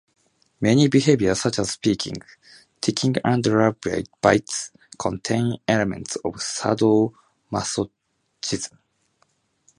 Many behaviors such as spanking, tickling, and love-bites contain elements of sado-masochism.